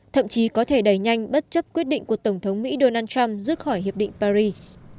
thậm chí có thể đẩy nhanh bất chấp quyết định của tổng thống mỹ donald trump rút khỏi hiệp định paris